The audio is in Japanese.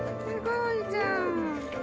すごいじゃん。